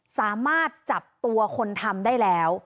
สามารถจับตัวคนทำได้แล้ว